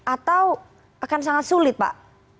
atau akan sangat sulit pak